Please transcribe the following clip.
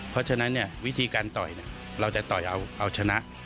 เพราะฉะนั้นวิธีการต่อยเราจะต่อยเอาชนะ